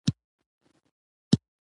په پوهنتونونو کې باید پښتو اثار زیات شي.